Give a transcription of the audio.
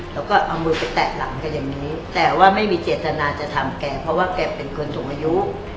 แล้วก็เอามือไปแตะหลังแกอย่างนี้แต่ว่าไม่มีเจตนาจะทำแกเพราะว่าแกเป็นคนสูงอายุ